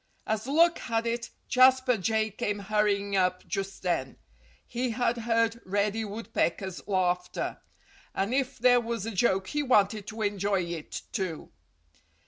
As luck had it, Jasper Jay came hurrying up just then. He had heard Reddy Woodpecker's laughter. And if there was a joke he wanted to enjoy it, too.